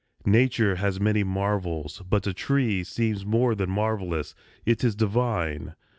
Nature has many marvels; but a tree Seems more than marvellous. It is divine.